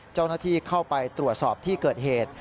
เจ้าหน้าที่เข้าไปตรวจสอบที่เกิดเหตุ